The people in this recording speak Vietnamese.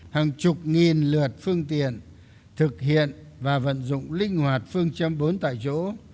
hàng chục nghìn lượt phương tiện thực hiện và vận dụng linh hoạt phương châm bốn tại chỗ